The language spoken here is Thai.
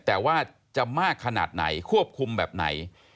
แต่ว่าจะมากขนาดไหนควบคุมแบบไหน